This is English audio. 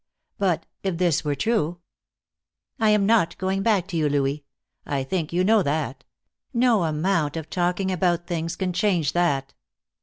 But, if this were true "I am not going back to you, Louis. I think you know that. No amount of talking about things can change that."